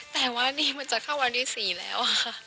แต่ว่านี่มันจะเข้าวันที่๔แล้วค่ะ